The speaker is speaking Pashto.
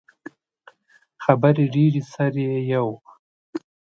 خبرې ډیرې، سر یی یو